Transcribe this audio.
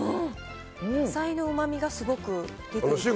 野菜のうまみがすごく出てる。